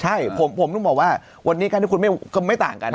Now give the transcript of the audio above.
ใช่ผมต้องบอกว่าวันนี้การที่คุณไม่ต่างกัน